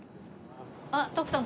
あっ徳さん